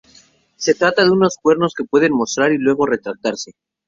Se trata de unos "cuernos" que pueden mostrar y luego retractarse.